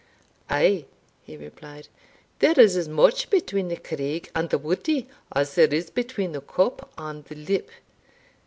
"Ay," he replied, "there is as much between the craig and the woodie* as there is between the cup and the lip.